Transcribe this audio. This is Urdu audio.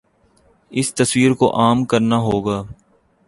اس تصور کو عام کرنا ہو گا۔